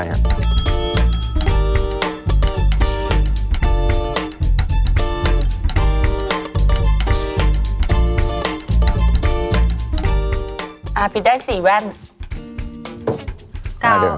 อ่ะปิดได้สี่แว่น